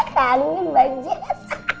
kangen mbak jis